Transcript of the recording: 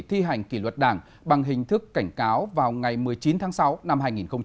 thi hành kỷ luật đảng bằng hình thức cảnh cáo vào ngày một mươi chín tháng sáu năm hai nghìn một mươi chín